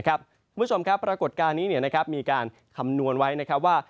คุณผู้ชมครับปรากฏการณ์นี้มีการคำนวณไว้นะครับว่า